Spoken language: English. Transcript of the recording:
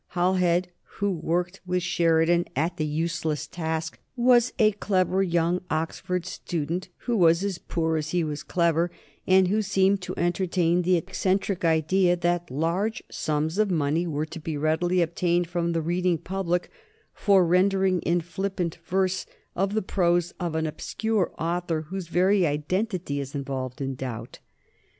Halhed, who worked with Sheridan at the useless task, was a clever young Oxford student, who was as poor as he was clever, and who seemed to entertain the eccentric idea that large sums of money were to be readily obtained from the reading public for a rendering in flippant verse of the prose of an obscure author whose very identity is involved in doubt.